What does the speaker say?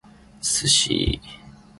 sushi